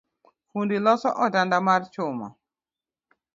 Fundi loso otanda mar chuma